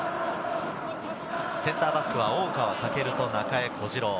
センターバックは大川翔と中江小次郎。